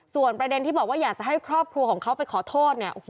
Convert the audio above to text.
ส่วนประเด็นที่บอกว่าอยากจะให้ครอบครัวของเขาไปขอโทษเนี่ย